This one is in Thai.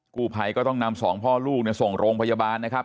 กู้ภัยก็ต้องนำสองพ่อลูกส่งโรงพยาบาลนะครับ